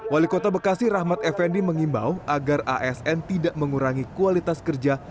wali kota bekasi rahmat effendi mengimbau agar asn tidak mengurangi kualitas kerja